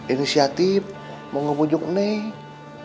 inisiatif mau ngebujuk neng